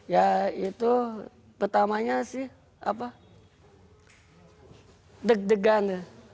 ya itu pertamanya sih apa deg degan